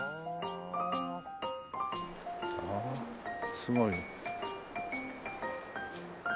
すごい。